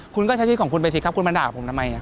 คุณก็ใช้ชีวิตของคุณไปสิครับคุณมาด่าผมทำไม